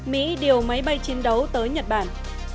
mỹ điều máy bay chiến đấu tới nhật bản